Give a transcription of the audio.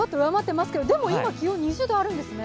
でも今、気温２０度あるんですね。